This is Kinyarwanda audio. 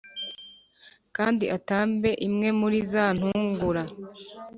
Kandi atambe imwe muri za ntungura